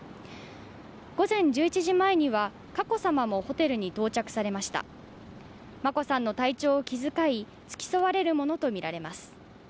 午前１１時前には佳子さまもホテルに到着しました眞子さんの体調を気遣い、付き添われるものとみられます。